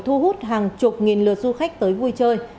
thu hút hàng chục nghìn lượt du khách tới vui chơi